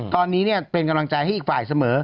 ตอนนี้เป็นกำลังใจให้อีกฝ่ายเสมอ